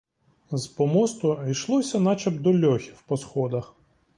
З помосту йшлося начеб до льохів по сходах.